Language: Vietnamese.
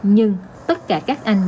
nhưng tất cả các anh